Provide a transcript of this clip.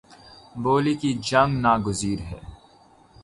بولی کی جنگ ناگزیر ہے